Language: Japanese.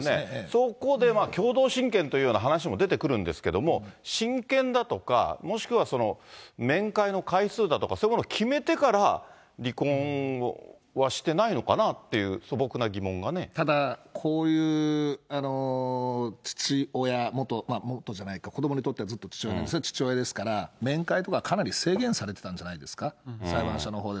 そこでまあ、共同親権というような話も出てくるんですけれども、親権だとか、もしくは面会の回数だとか、そういうものを決めてから離婚はしてないのかなっていう、素朴なただ、こういう父親、元じゃないか、子どもにとってはずっと父親で、それ父親ですから、面会とかかなり制限されてたんじゃないですか、裁判所のほうで。